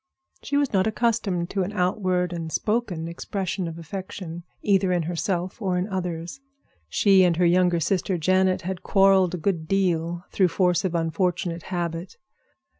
She was not accustomed to an outward and spoken expression of affection, either in herself or in others. She and her younger sister, Janet, had quarreled a good deal through force of unfortunate habit.